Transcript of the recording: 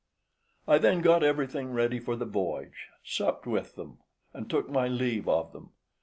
I then got everything ready for the voyage, supped with, and took my leave of them.